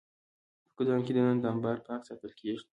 په ګدام کې دننه دا انبار پاک ساتل کېږي.